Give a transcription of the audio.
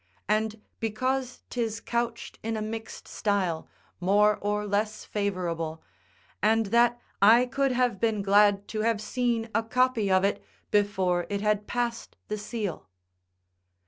And because 'tis couched in a mixt style, more or less favourable, and that I could have been glad to have seen a copy of it before it had passed the seal.